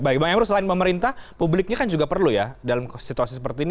baik bang emru selain pemerintah publiknya kan juga perlu ya dalam situasi seperti ini